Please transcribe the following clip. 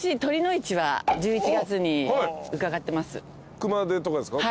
熊手とかですか？